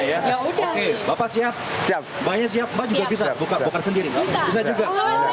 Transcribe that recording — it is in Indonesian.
ya udah bapak siap siap banyak siap juga bisa buka sendiri bisa juga